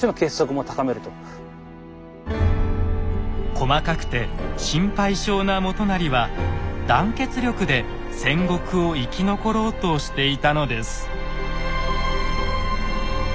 細かくて心配性な元就は団結力で戦国を生き残ろうとしていたのです。